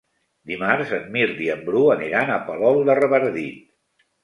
Dimarts en Mirt i en Bru aniran a Palol de Revardit.